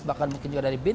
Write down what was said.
bahkan mungkin juga dari bin